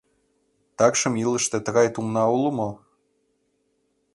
Такшым илышыште тыгай тумна уло мо?